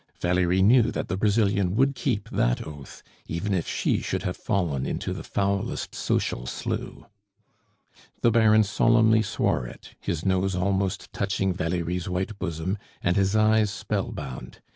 Valerie knew that the Brazilian would keep that oath even if she should have fallen into the foulest social slough. The Baron solemnly swore it, his nose almost touching Valerie's white bosom, and his eyes spellbound.